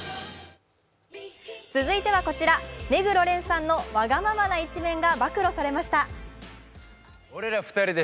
続いてはこちら目黒蓮さんのワガママな一面が暴露されました。